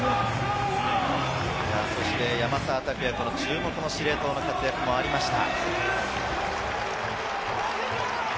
山沢拓也にも注目の司令塔の活躍がありました。